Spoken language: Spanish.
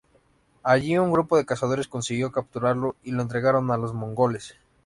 Allí un grupo de cazadores consiguió capturarlo y lo entregaron a los mongoles.